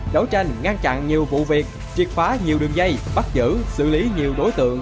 đấu tranh ngăn chặn nhiều vụ việc triệt phá nhiều đường dây bắt giữ xử lý nhiều đối tượng